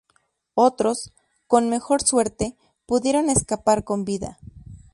Otros, con mejor suerte, pudieron escapar con vida.